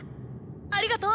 ありがとう。